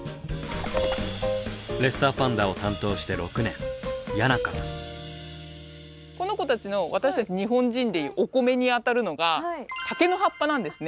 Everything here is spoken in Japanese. レッサーパンダを担当して６年この子たちの私たち日本人で言うお米にあたるのが竹の葉っぱなんですね。